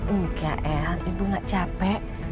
enggak l ibu gak capek